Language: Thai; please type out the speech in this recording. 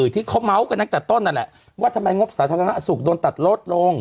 ที่เขาเมาส์กันตั้งแต่ต้นนั่นแหละว่าทำไมงบสาธารณสุขโดนตัดลดลง